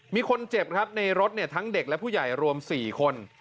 มีคนเจ็บครับในรถทั้งเด็กและผู้ใหญ่รวม๔คน